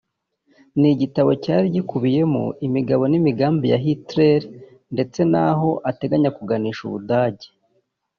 ni igitabo cyari gikubiyemo imigabo n’imigambi ya Hitler ndetse n’aho ateganya kuganisha ubudage